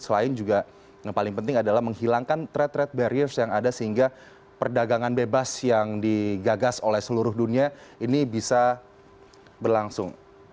selain juga yang paling penting adalah menghilangkan thread treat barriers yang ada sehingga perdagangan bebas yang digagas oleh seluruh dunia ini bisa berlangsung